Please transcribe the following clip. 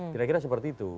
kira kira seperti itu